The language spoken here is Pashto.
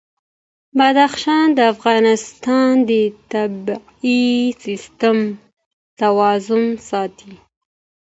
بدخشان د افغانستان د طبعي سیسټم توازن ساتي.